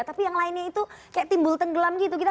tapi yang lainnya itu kayak timbul tenggelam gitu kita